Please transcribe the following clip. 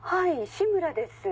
志村です。